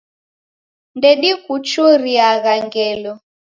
Ndedikuchuriagha ngelo.